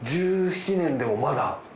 １７年でもまだ？